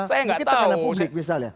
saya tidak tahu mungkin karena publik misalnya